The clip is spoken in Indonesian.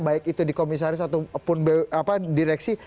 baik itu di komisaris ataupun direksi